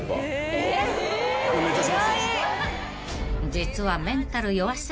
［実は］